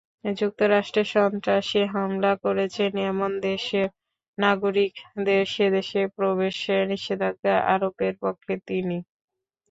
যুক্তরাষ্ট্রে সন্ত্রাসী হামলা করেছে—এমন দেশের নাগরিকদের সেদেশে প্রবেশে নিষেধাজ্ঞা আরোপের পক্ষে তিনি।